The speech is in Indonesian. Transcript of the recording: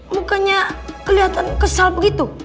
mukanya kelihatan kesal begitu